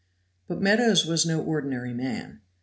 But Meadows was no ordinary man.